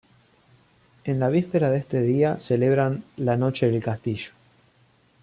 En la víspera de este día celebran "La Noche del Castillo".